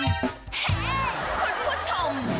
เฮ่ยคุณผู้ชม